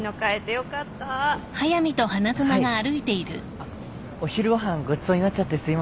あっお昼ご飯ごちそうになっちゃってすいません。